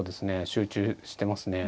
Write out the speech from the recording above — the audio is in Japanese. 集中してますね。